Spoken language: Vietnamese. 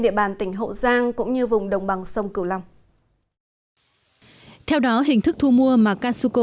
địa bàn tỉnh hậu giang cũng như vùng đồng bằng sông cửu long theo đó hình thức thu mua mà casuco